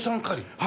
はい。